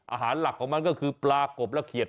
หลักของมันก็คือปลากบและเขียด